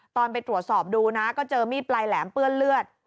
ไปตรวจสอบดูนะก็เจอมีดปลายแหลมเปื้อนเลือด